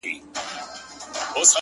که زر کلونه ژوند هم ولرمه ـ